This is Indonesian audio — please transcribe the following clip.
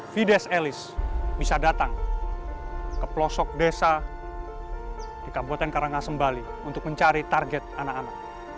fides elis bisa datang ke pelosok desa di kabupaten karangasem bali untuk mencari target anak anak